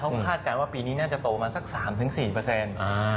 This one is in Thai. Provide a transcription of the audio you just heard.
เขาคาดการณ์ว่าปีนี้น่าจะโตมาสักสามถึงสี่เปอร์เซ็นต์